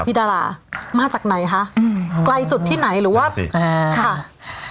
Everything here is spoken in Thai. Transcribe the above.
ดารามาจากไหนคะอืมไกลสุดที่ไหนหรือว่าสิบแอร์ค่ะ